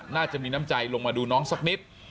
น่าจะมีน้ำใจลงมาดูน้องสักนิด